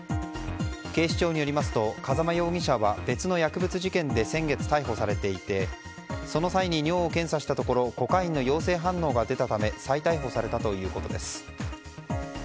警視庁によりますと風間容疑者は別の薬物事件で先月、逮捕されていてその際に尿を検査したところコカインの陽性反応が出たため再逮捕されたということです。